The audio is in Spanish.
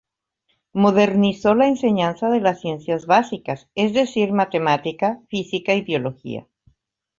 Modernizó la enseñanza de las ciencias básicas, es decir matemática, física y biología.